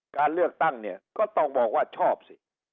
การเลือกตั้งเนี่ยก็ต้องบอกว่าชอบสิ